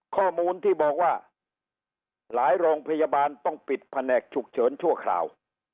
ข้อมูลที่บอกว่าหลายโรงพยาบาลต้องปิดแผนกฉุกเฉินชั่วคราว